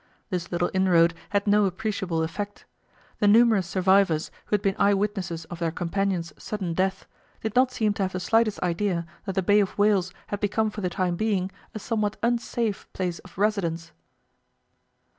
This little inroad had no appreciable effect. The numerous survivors, who had been eye witnesses of their companions' sudden death, did not seem to have the slightest idea that the Bay of Whales had become for the time being a somewhat unsafe place of residence.